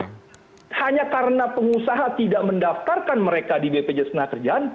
karena hanya karena pengusaha tidak mendaftarkan mereka di bpjs tenaga kerjaan